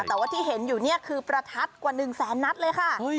แต่ว่าที่เห็นอยู่นี่คือประทัดกว่า๑แสนนัดเลยค่ะ